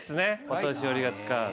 お年寄りが使う。